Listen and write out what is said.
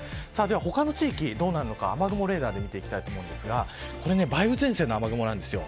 他の地域どうなるのか雨雲レーダーで見ていきたいと思いますが梅雨前線の雨雲なんですよ。